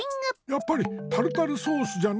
やっぱりタルタルソースじゃな。